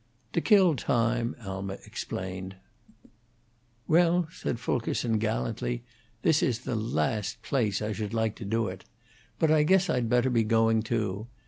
"To kill time," Alma explained. "Well," said Fulkerson, gallantly, "this is the last place I should like to do it. But I guess I'd better be going, too.